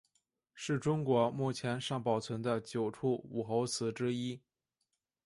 是中国目前尚保存的九处武侯祠之一。